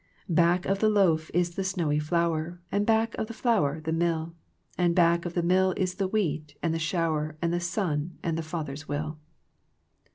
Back of the loaf is the snowy flour, And back of the flour the mill ; And back of the mill is the wheat, and the shower, And the sun, and the Father's will.